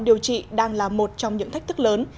điều trị đang là một trong những thách thức lớn